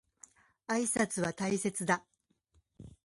挨拶は大切だ。